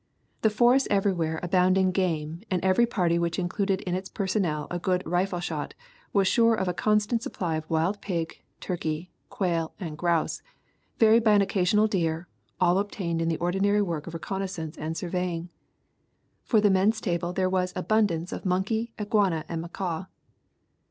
The forests everywhere abound in game and every party which included in its personnel a good rifle shot was sure of a constant supply of wild pig, turkey, quail and grouse, varied by an occa sional deer, all obtained in the ordinary work of reconnoissance and surveying. For the men's table there was abundance of monkey, iguana and macaw.